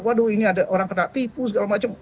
waduh ini ada orang kena tipu segala macam